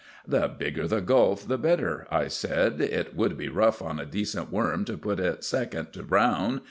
"The bigger the gulf the better," I said. "It would be rough on a decent worm to put it second to Browne.